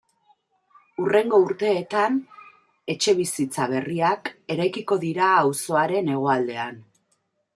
Hurrengo urteetan, etxebizitza berriak eraikiko dira auzoaren hegoaldean.